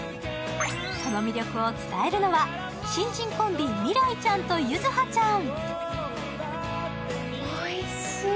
その魅力を伝えるのは新人コンビ未来ちゃんと柚葉ちゃん。